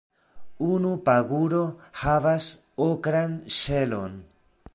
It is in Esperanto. Unu paguro havas okran ŝelon.